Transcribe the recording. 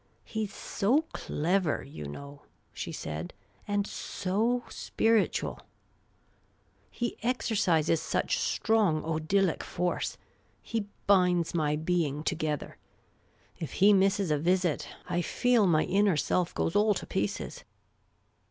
" He 's so clever, you know," she said; io8 Miss Cayley's Adventures " and ^^ spiritual ! He exercises such strong odylic foice. He binds my being together. If he misses a visit, I feel my inner self goes all to pieces."